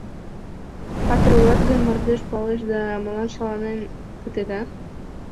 — Патыр улат гын, мардеж пуалеш да, молан шаланен пытет, а?